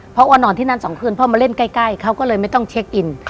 เพราะว่านอนที่นั่น๒คืนพ่อมาเล่นใกล้เขาก็เลยไม่ต้องเช็คอิน